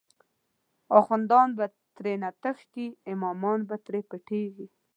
اخوندان به ترینه تښتی، امامان به تری پټیږی